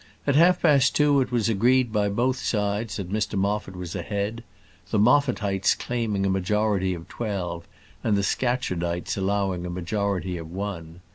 At half past two it was agreed by both sides that Mr Moffat was ahead; the Moffatites claiming a majority of twelve, and the Scatcherdites allowing a majority of one.